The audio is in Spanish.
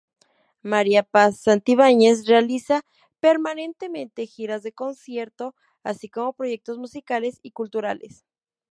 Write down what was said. María Paz Santibáñez realiza permanentemente giras de concierto así como proyectos musicales y culturales.